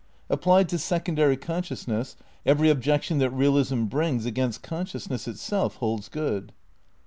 Applied to secondary and consciousness every objection that realism brings ^'^®®^^®™ against consciousness itself holds good.